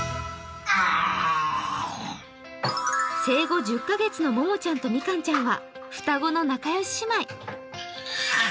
生後１０カ月のももちゃんとみかんちゃんは双子の仲よし姉妹。